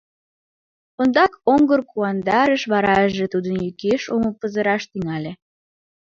Ондак оҥгыр куандарыш, вараже тудын йӱкеш омо пызыраш тӱҥале.